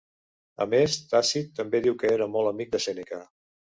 A més, Tàcit també diu que era molt amic de Sèneca.